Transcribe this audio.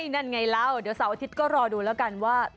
นั่นไงแล้วเดี๋ยวเสาร์อาทิตย์ก็รอดูแล้วกันว่า